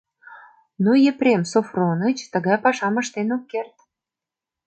Но Епрем Софроныч тыгай пашам ыштен ок керт.